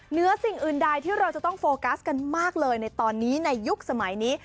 เหนือสิ่งอื่นใดที่เราจะต้องโฟกัสกันมากเลยในตอนนี้ในยุคสมัยนี้